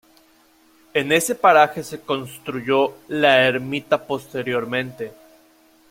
En ese paraje se construyó la ermita posteriormente.